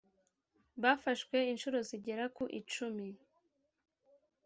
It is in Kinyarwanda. bafashwe incuro zigera ku icumi